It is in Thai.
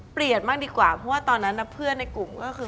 เปรียดมากดีกว่าเพราะตอนนั้นนะเพื่อนในกลุ่มก็คือ